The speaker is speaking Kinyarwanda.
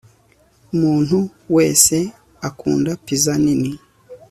umuntu wese akunda pizza nini